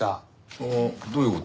ああどういう事？